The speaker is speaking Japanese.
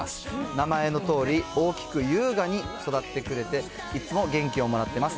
名前のとおり、大きく優雅に育ってくれて、いつも元気をもらってます。